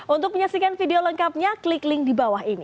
untuk menyaksikan video lengkapnya klik link di bawah ini